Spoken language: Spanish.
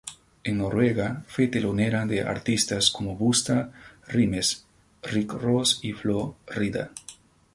En Noruega fue telonera de artistas como Busta Rhymes, Rick Ross y Flo Rida.